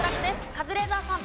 カズレーザーさん。